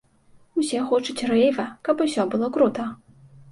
Усе хочуць рэйва, каб усё было крута.